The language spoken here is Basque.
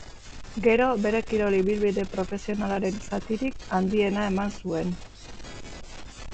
Gero, bere kirol ibilbide profesionalaren zatirik handiena eman zuen.